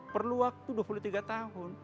perlu waktu dua puluh tiga tahun